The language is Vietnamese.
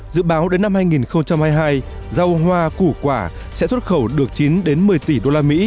dự báo đến năm hai nghìn hai mươi hai rau hoa củ quả sẽ xuất khẩu được chín một mươi tỷ usd